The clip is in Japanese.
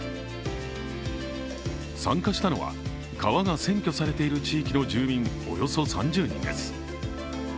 参加したのは、川が占拠されている地域の住民およそ３０人です。